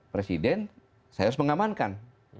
presiden saya harus mengamankan